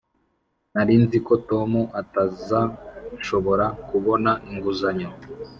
nari nzi ko tom atazashobora kubona inguzanyo.